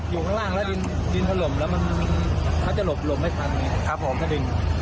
อยู่ข้างล่างแล้วดินดินพล่มแล้วมันมันจะหลบหลบไม่ทัน